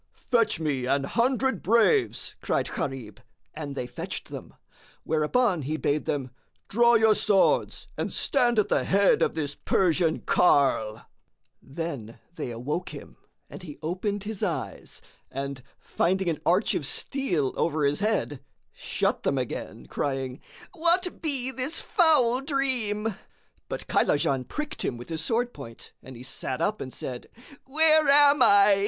"Fetch me an hundred braves!" cried Gharib, and they fetched them; whereupon he bade them, "Draw your swords and stand at the head of this Persian carle!" Then they awoke him and he opened his eyes; and, finding an arch of steel over his head, shut them again, crying, "What be this foul dream?" But Kaylajan pricked him with his sword point and he sat up and said, "Where am I?"